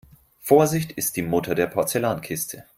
Vorsicht ist die Mutter der Porzellankiste.